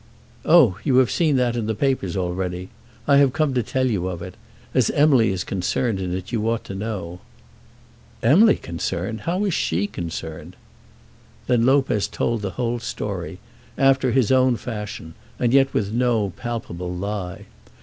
"Oh; you have seen that in the papers already. I have come to tell you of it. As Emily is concerned in it you ought to know." "Emily concerned! How is she concerned?" Then Lopez told the whole story, after his own fashion, and yet with no palpable lie.